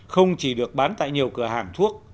không chỉ được bán tại nhiều cửa hàng thuốc